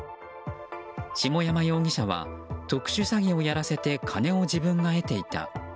下山容疑者は特殊詐欺をやらせて金を自分が得ていた。